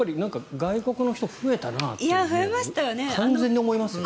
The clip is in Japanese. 外国の人増えたなと完全に思いますよね。